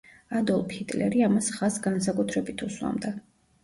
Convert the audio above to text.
ადოლფ ჰიტლერი ამას ხაზს განსაკუთრებით უსვამდა.